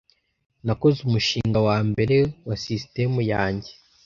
Nakoze umushinga wambere wa sisitemu yanjye.